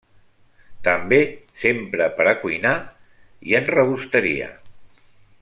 També s'empra per a cuinar i en rebosteria.